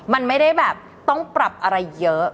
มันไม่ได้แบบต้องปรับอะไรเยอะ